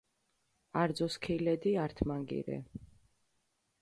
არძო სქილედი ართმანგი რე.